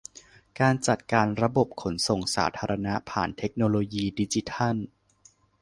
การจัดการระบบการขนส่งสาธารณะผ่านเทคโนโลยีดิจิทัล